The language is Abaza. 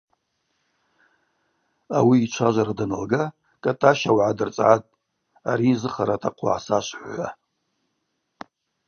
Ауи йчважвара даналга Кӏатӏащ ауагӏа дырцӏгӏатӏ: Ари йзыхара атахъу гӏасашвхӏв – хӏва.